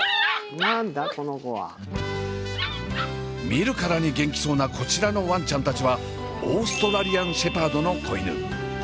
見るからに元気そうなこちらのわんちゃんたちはオーストラリアン・シェパードの子犬。